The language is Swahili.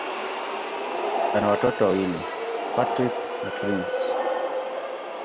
Ana watoto wawili: Patrick na Prince.